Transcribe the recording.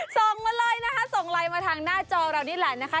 ส่งมาเลยนะคะส่งไลน์มาทางหน้าจอเรานี่แหละนะคะ